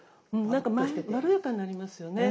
なんかまろやかになりますよね。